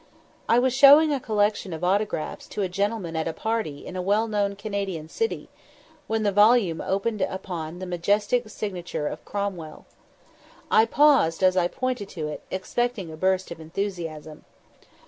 I was showing a collection of autographs to a gentleman at a party in a well known Canadian city, when the volume opened upon the majestic signature of Cromwell. I paused as I pointed to it, expecting a burst of enthusiasm.